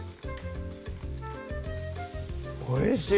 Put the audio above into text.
おいしい！